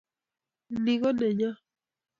Ni konenyo